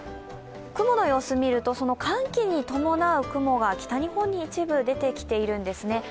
雲の様子を見ると寒気の伴う雲が北日本に一部出てきているんですね。